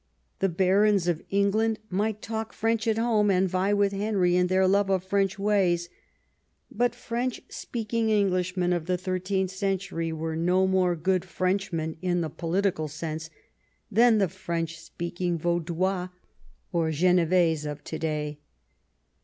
The l)arons of England might talk French at home, and vie with Henry in their love of French Avays, but French speaking Englishmen of the thirteenth century were no more good French men in the political sense than the French speaking Vaudois or Genevese of to day.